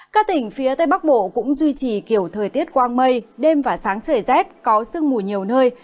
các tỉnh phía tây bắc bộ cũng duy trì kiểu thời tiết quang mây đêm và sáng trời rét có sương mù nhiều nơi